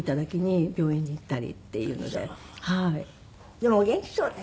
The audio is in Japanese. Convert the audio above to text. でもお元気そうね。